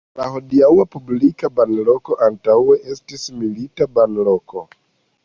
La hodiaŭa publika banloko antaŭe estis milita banloko.